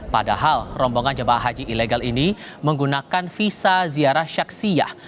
padahal rombongan jemaah haji ilegal ini menggunakan visa ziarah syaksiyah